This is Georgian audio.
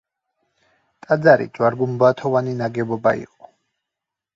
ტაძარი ჯვარგუმბათოვანი ნაგებობა იყო.